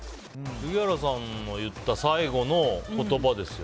杉原さんが言った最後の言葉ですよ。